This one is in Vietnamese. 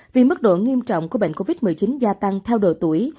vì mức độ nghiêm trọng của bệnh covid một mươi chín gia tăng theo độ tuổi